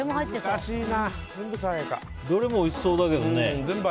どれも、おいしそうだけどね。